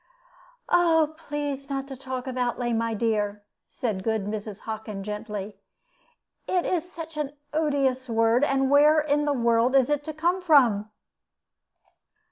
"Oh, please not to talk of outlay, my dear," said good Mrs. Hockin, gently; "it is such an odious word; and where in the world is it to come from?"